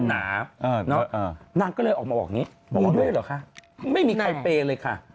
นางก็เลยออกมาบอกอย่างนี้มีด้วยเหรอคะไม่มีใครเปย์เลยค่ะ